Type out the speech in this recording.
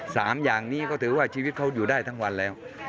สามอย่างนี้ก็ถือว่าชีวิตเขาอยู่ได้ทั้งวันแล้ว